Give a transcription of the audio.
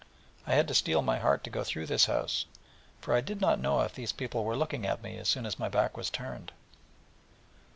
I had to steel my heart to go through this house, for I did not know if these people were looking at me as soon as my back was turned.